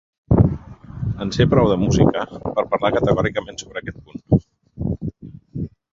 En sé prou, de música, per parlar categòricament sobre aquest punt.